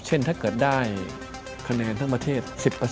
ถ้าเกิดได้คะแนนทั้งประเทศ๑๐